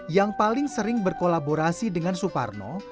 yang paling sering berkolaborasi dengan suparno